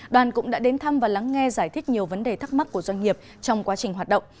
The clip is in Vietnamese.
đoàn cũng đã đến thăm và lắng nghe giải thích nhiều vấn đề thắc mắc của doanh nghiệp trong quá trình hoạt động